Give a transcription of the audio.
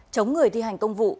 chống người thi hành công vụ